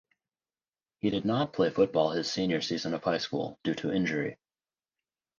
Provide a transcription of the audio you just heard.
He did not play football his senior season of high school due to injury.